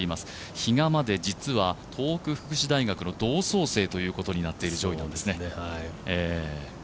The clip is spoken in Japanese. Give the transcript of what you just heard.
比嘉まで実は東北福祉大学の同窓生となっている上位なんですね。